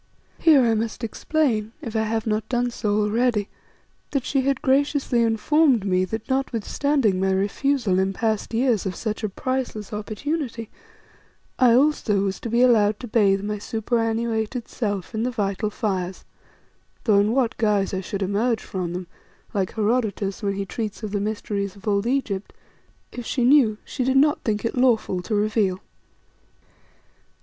Here I must explain, if I have not done so already, that she had graciously informed me that notwithstanding my refusal in past years of such a priceless opportunity, I also was to be allowed to bathe my superannuated self in the vital fires, though in what guise I should emerge from them, like Herodotus when he treats of the mysteries of old Egypt, if she knew, she did not think it lawful to reveal.